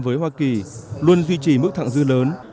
với hoa kỳ luôn duy trì mức thẳng dư lớn